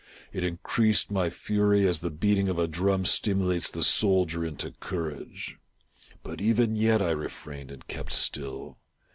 It increased my fury, as the beating of a drum stimulates the soldier into courage. But even yet I refrained and kept still.